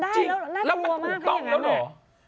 ใช่มันต้องไม่ถูกมันได้แล้วน่ากลัวมาก